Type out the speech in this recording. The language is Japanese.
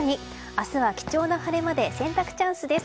明日は貴重な晴れ間で洗濯チャンスです。